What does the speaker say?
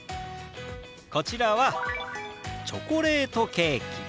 こちらは「チョコレートケーキ」。